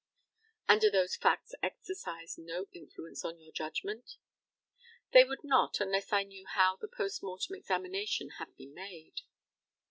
And do those facts exercise no influence on your judgment? They would not unless I knew how the post mortem examination had been made.